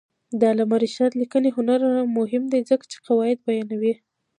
د علامه رشاد لیکنی هنر مهم دی ځکه چې واقعیت بیانوي.